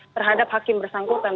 terhadap hakim bersangkutan